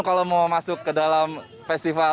kalau mau masuk ke dalam festival